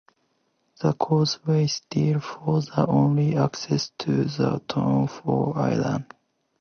The causeway still forms the only access to the town from land.